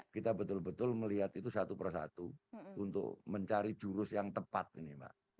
kita betul betul melihat itu satu persatu untuk mencari jurus yang tepat ini mbak